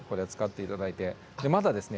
まだですね